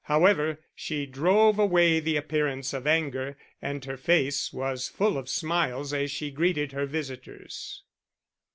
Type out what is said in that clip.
However, she drove away the appearance of anger, and her face was full of smiles as she greeted her visitors.